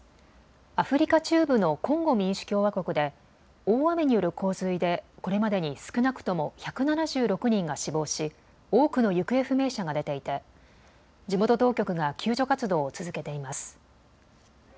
アフリカ中部のコンゴ民主共和国で大雨による洪水でこれまでに少なくとも１７６人が死亡し多くの行方不明者が出ていて地元当局が救助活動を続けています。